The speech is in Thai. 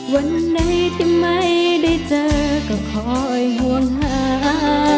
วันไหนที่ไม่ได้เจอก็คอยห่วงหา